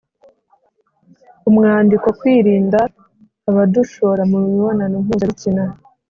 Umwandiko Kwirinda Abadushora Mu Mibonano Mpuzabitsina